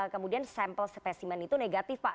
kemudian sampel spesimen itu negatif pak